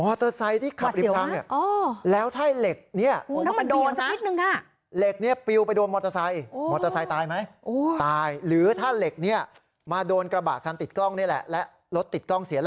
มอเตอร์ไซด์มอเตอร์ไซด์ตายไหมตาย